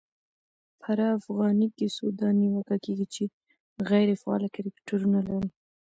پرا فغانۍ کیسو دا نیوکه کېږي، چي غیري فعاله کرکټرونه لري.